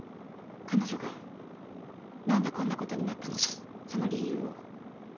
彼女が何でこんなことになったのかその理由を。